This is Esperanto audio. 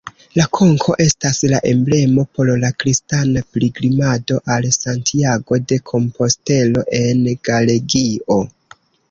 La konko estas la emblemo por la kristana pilgrimado al Santiago-de-Kompostelo en Galegio.